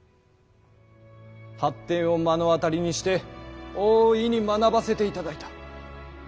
発展を目の当たりにして大いに学ばせていただいた。